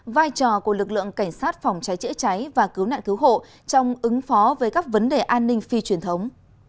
vai trò của lực lượng cảnh sát phòng cháy chữa cháy và cứu nạn cứu hộ trong ứng phó với các vấn đề an ninh phi truyền thống